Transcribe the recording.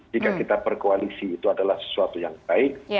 jika kita berkoalisi itu adalah sesuatu yang baik